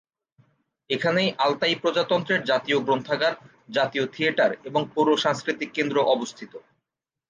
এখানেই আলতাই প্রজাতন্ত্রের জাতীয় গ্রন্থাগার, জাতীয় থিয়েটার এবং পৌর সাংস্কৃতিক কেন্দ্র অবস্থিত।